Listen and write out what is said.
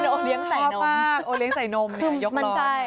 โอเลียงชอบมากโอเลียงใส่นมเนี่ยยกล้อ